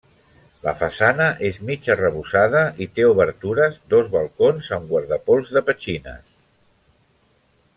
La façana és mig arrebossada i té obertures, dos balcons, amb guardapols de petxines.